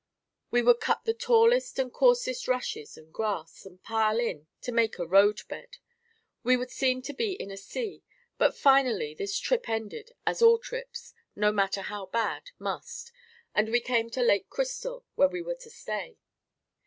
We would cut the tallest and coarsest rushes and grass and pile in to make a road bed. We would seem to be in a sea, but finally this trip ended as all trips, no matter how bad, must, and we came to Lake Crystal where we were to stay.